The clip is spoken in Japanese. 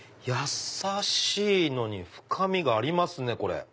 やさしいのに深みがありますね。